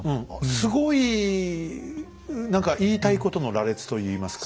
すごい何か言いたいことの羅列といいますか。